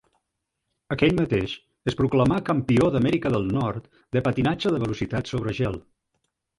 Aquell mateix es proclamà campió d'Amèrica del Nord de patinatge de velocitat sobre gel.